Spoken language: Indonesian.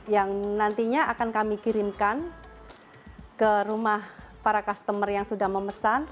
yang nantinya akan kami kirimkan ke rumah para customer yang sudah memesan